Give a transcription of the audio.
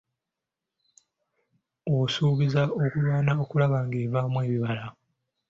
Asuubizza okulwana okulaba ng'evaamu ebibala.